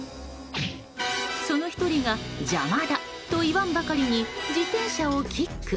その１人が、邪魔だと言わんばかりに自転車をキック。